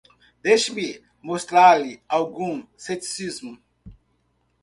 Deixe-me mostrar-lhe algum ceticismo.